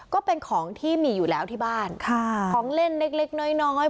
ก็เป็นของที่มีอยู่แล้วที่บ้านค่ะของเล่นเล็กเล็กน้อยน้อย